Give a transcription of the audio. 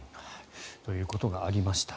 ということがありました。